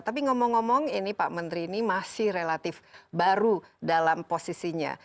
tapi ngomong ngomong ini pak menteri ini masih relatif baru dalam posisinya